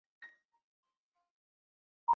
民俗学早期的代表人物是德国的格林兄弟。